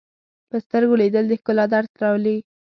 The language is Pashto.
په سترګو لیدل د ښکلا درک راولي